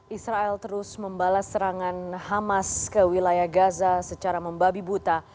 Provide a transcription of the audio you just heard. israel terus membalas serangan hamas ke wilayah gaza secara membabi buta